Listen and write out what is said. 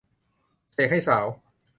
เสกให้สาว